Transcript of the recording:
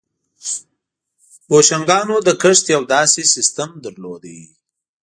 بوشنګانو د کښت یو داسې سیستم درلود